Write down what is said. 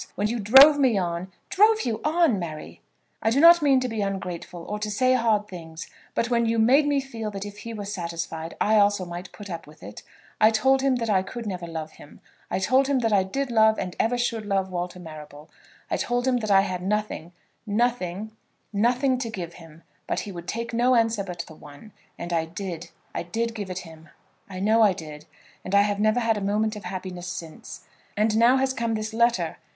When you drove me on " "Drove you on, Mary?" "I do not mean to be ungrateful, or to say hard things; but when you made me feel that if he were satisfied I also might put up with it, I told him that I could never love him. I told him that I did love, and ever should love, Walter Marrable. I told him that I had nothing nothing nothing to give him. But he would take no answer but the one; and I did I did give it him. I know I did; and I have never had a moment of happiness since. And now has come this letter.